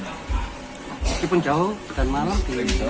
meskipun jauh kemarin malam juga bisa